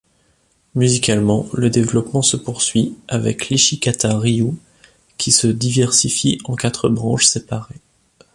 Musicalement, le développement se poursuit avec l'Ichikata-ryū qui se diversifie en quatre branches séparées.